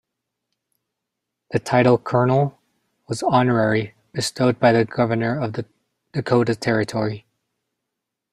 The title "Colonel" was honorary, bestowed by the governor of the Dakota Territory.